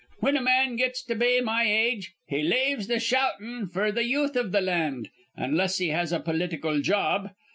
Whin a man gets to be my age, he laves th' shoutin' f'r th' youth iv th' land, onless he has a pol itical job.